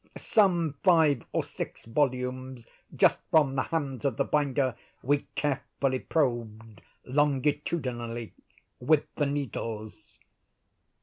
Some five or six volumes, just from the hands of the binder, we carefully probed, longitudinally, with the needles."